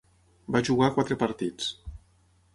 Va jugar quatre partits.